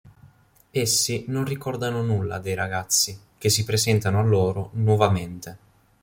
Essi non ricordano nulla dei ragazzi, che si presentano a loro nuovamente.